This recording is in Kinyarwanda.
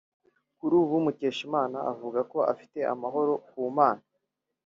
Kuri ubu Mukeshimana avuga ko afite amahoro ku Mana